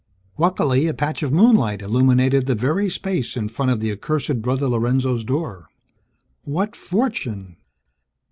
Luckily, a patch of moonlight illuminated the very space in front of the accursed Brother Lorenzo's door. What fortune!